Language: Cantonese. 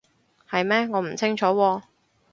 係咩？我唔清楚喎